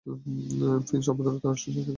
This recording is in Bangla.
ফিঞ্চ, অভদ্রতা আর অশ্লীলতা কিছুই বদলাতে পারে না।